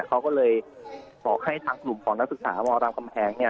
เขาก็เลยบอกให้ทางกลุ่มของนักศึกษามรามคำแหง